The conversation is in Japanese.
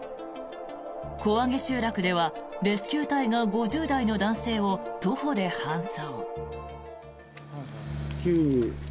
小揚集落ではレスキュー隊が５０代の男性を徒歩で搬送。